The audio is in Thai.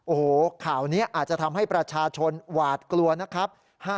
โอ้โหข่าวนี้อาจจะทำให้ประชาชนหวาดกลัวนะครับ